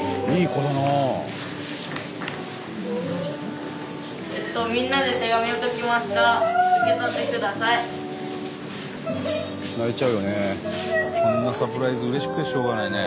こんなサプライズうれしくてしょうがないね。